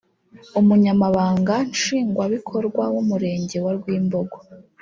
umunyamabanga nshingwabikorwa w’umurenge wa Rwimbogo